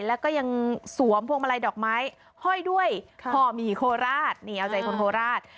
แล้วก็ยังสวมพวงมาลัยดอกไม้ห้อยด้วยห่อหมี่โคราชนี่เอาใจคนโคราช